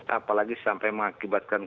apalagi sampai mengakibatkan